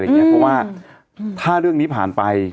เพราะว่าถ้าเรื่องนี้ผ่านไป